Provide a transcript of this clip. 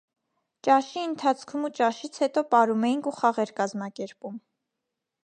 Ճաշի ընթացքում ու ճաշից հետո պարում էինք ու խաղեր կազմակերպում: